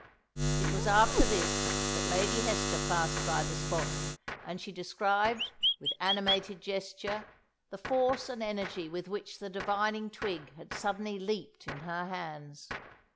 It was after this that Lady Hester passed by the spot; and she described, with animated gesture, the force and energy with which the divining twig had suddenly leaped in her hands.